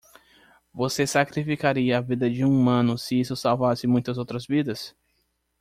Você sacrificaria a vida de um humano se isso salvasse muitas outras vidas?